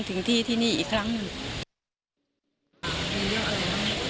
ถึงที่ที่นี่อีกครั้งหนึ่ง